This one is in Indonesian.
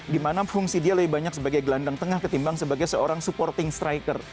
dimana fungsi dia lebih banyak sebagai gelandang tengah ketimbang sebagai seorang supporting striker